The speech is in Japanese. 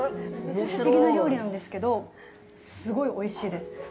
不思議な料理なんですけどすごいおいしいです。